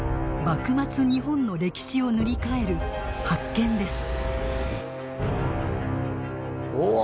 幕末日本の歴史を塗り替える発見です。